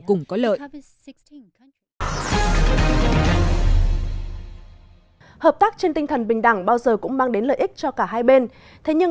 cùng có lợi hợp tác trên tinh thần bình đẳng bao giờ cũng mang đến lợi ích cho cả hai bên thế nhưng